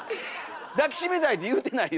「抱き締めたい」って言うてないよ